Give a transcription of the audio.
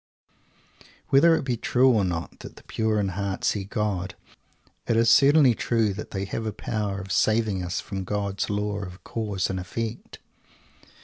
Whether it be true or not that the Pure in Heart see God, it is certainly true that they have a power of saving us from God's Law of Cause and Effect!